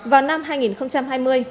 vào năm hai nghìn hai mươi